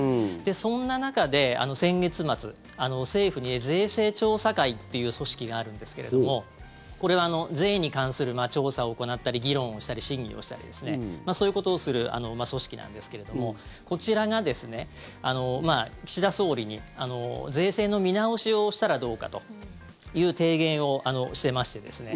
そんな中で先月末政府に税制調査会っていう組織があるんですけれどもこれは税に関する調査を行ったり議論をしたり審議をしたりそういうことをする組織なんですけれどもこちらが岸田総理に税制の見直しをしたらどうかという提言をしてましてですね